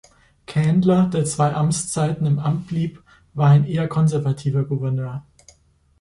Candler, der zwei Amtszeiten im Amt blieb, war ein eher konservativer Gouverneur.